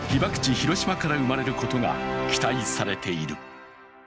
・広島から生まれることが期待されている。